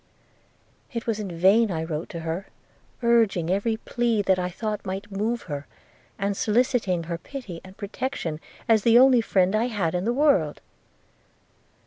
It was in vain I wrote to her, urging every plea that I thought might move her, and soliciting her pity and protection, as the only friend I had in the world.